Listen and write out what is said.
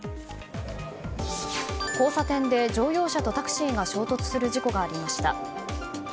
交差点で乗用車とタクシーが衝突する事故がありました。